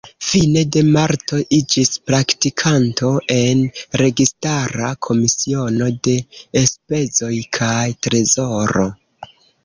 Fine de marto iĝis praktikanto en Registara Komisiono de Enspezoj kaj Trezoro.